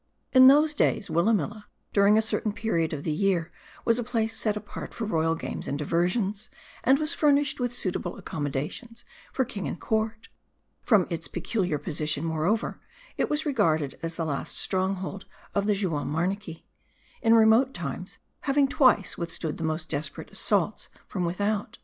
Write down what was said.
In those days, Willamilla during a certain period of the year was a place set apart for royal games and diversions ; and was furnished with suitable accommodations for king and court From its peculiar position, moreover, it was regarded as the last stronghold of the Juam monarchy : in remote times having twice withstood the most desperate assaults from without.